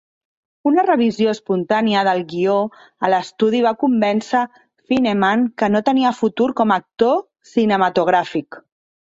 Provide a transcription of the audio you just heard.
Una revisió espontània del guio a l'estudi va convèncer Fenneman que no tenia futur com a actor cinematogràfic.